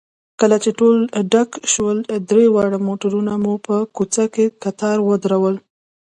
کله چې ټول ډک شول، درې واړه موټرونه مو په کوڅه کې کتار ودرول.